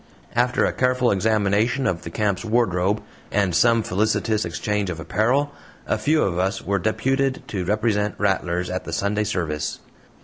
After a careful examination of the camp's wardrobe, and some felicitous exchange of apparel, a few of us were deputed to represent "Rattlers" at the Sunday service.